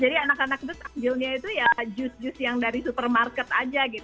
jadi anak anak itu takjilnya itu ya jus jus yang dari supermarket aja gitu